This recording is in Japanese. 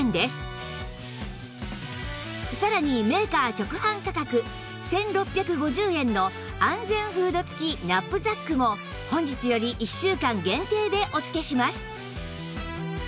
さらにメーカー直販価格１６５０円の安全フード付きナップザックも本日より１週間限定でお付けします